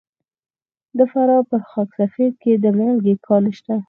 د فراه په خاک سفید کې د مالګې کان شته.